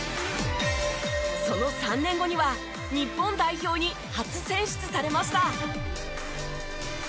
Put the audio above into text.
その３年後には日本代表に初選出されました。